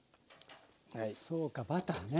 そうかバターね。